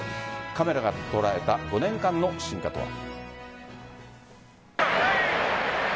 カメラが捉えた５年間の進化とは。